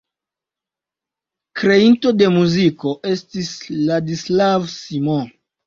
Kreinto de muziko estis Ladislav Simon.